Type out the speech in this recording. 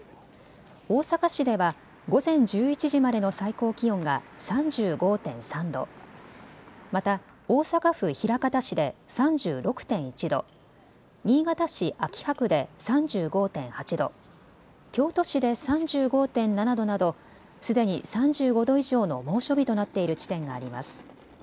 大阪市では午前１１時までの最高気温が３５．３度、また大阪府枚方市で３６．１度、新潟市秋葉区で３５．８度、京都市で３５．７度などすでに３５度以上の猛暑日となっている地点があります。